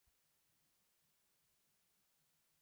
Кеч-мом ойло, тиде вет Антарктике.